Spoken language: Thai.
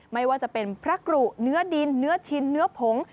ไม่ว่าจะเป็นพระกรุเนื้อดินเนื้อชินเนื้อผง